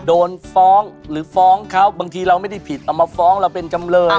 โดนฟ้องหรือฟ้องเขาบางทีเราไม่ได้ผิดเอามาฟ้องเราเป็นจำเลย